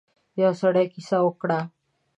يو سړی کيسه وکړه.